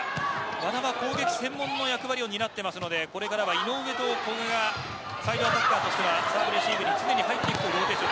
和田は攻撃専門の役割を担っているのでこれからは井上と古賀がサーブサイドアタッカーとしてサーブレシーブに入っていきます。